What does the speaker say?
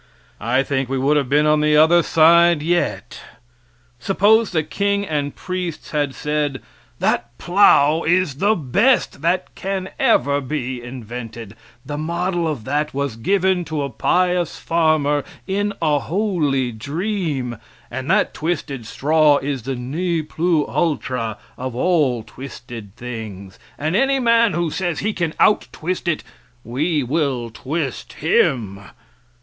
I think we would have been on the other side yet. Suppose the king and priests had said: "That plow is the best that ever can be invented; the model of that was given to a pious farmer in a holy dream, and that twisted straw is the ne plus ultra of all twisted things, and any man who says he can out twist it, we will twist him."